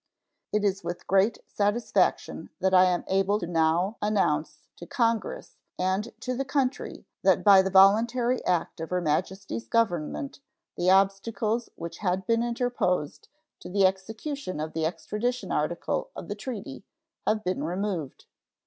It is with great satisfaction that I am able now to announce to Congress and to the country that by the voluntary act of Her Majesty's Government the obstacles which had been interposed to the execution of the extradition article of the treaty have been removed.